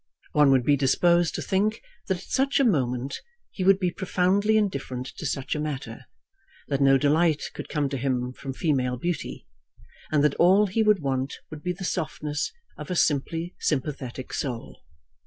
One would be disposed to think that at such a moment he would be profoundly indifferent to such a matter, that no delight could come to him from female beauty, and that all he would want would be the softness of a simply sympathetic soul.